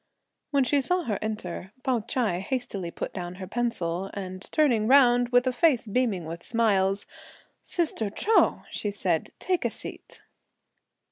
When she saw her enter, Pao Ch'ai hastily put down her pencil, and turning round with a face beaming with smiles, "Sister Chou," she said, "take a seat."